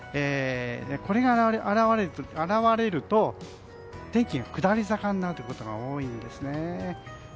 これが現れると天気が下り坂になることが多いんです。